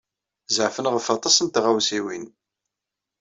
Zeɛfen ɣef aṭas n tɣawsiwin.